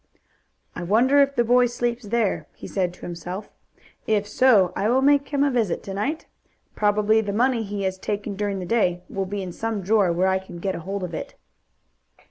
"I wonder if the boy sleeps there," he said to himself. "If so, I will make him a visit to night. Probably the money he has taken during the day will be in some drawer where I can get hold of it."